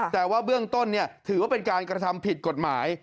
แต่ว่าเบื้องต้นถือว่าเป็นการกระทำผิดกฎหมาย